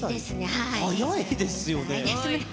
早いですよね。